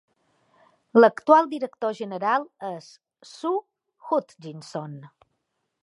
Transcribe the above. L'actual director general és Su Hutchinson.